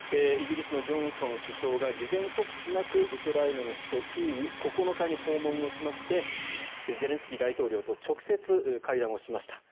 イギリスのジョンソン首相が事前告知なくウクライナの首都キーウを９日に訪問しましてゼレンスキー大統領と直接、会談をしました。